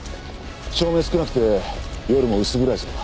照明も少なくて夜も薄暗いそうだ。